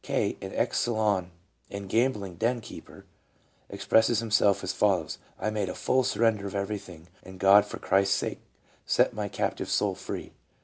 K., an ex saloon and gambling den keeper, expresses himself as follows: "I made a fall surrender of everything, and God for Christ's sake set my captive soul free.